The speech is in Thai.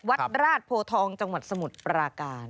วัดราชโพทองจังหวัดสมุทรปราการ